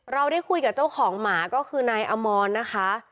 เราได้คุยกับเจ้าของหมาก็คือนายอมรนะคะ